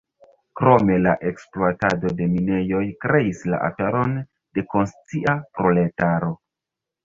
Krome la ekspluatado de minejoj kreis la aperon de konscia proletaro.